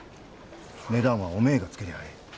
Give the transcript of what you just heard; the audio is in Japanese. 値段はおめえがつけりゃあええ。